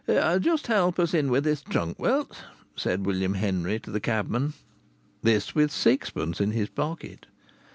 "Just help us in with this trunk, wilt?" said William Henry to the cabman. This, with sixpence in his pocket!